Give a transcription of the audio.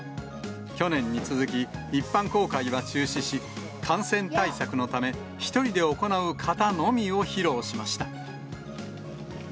去年に続き一般公開は中止し、感染対策のため、１人で行う型のみを披露しました。